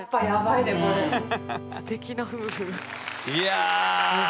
いや。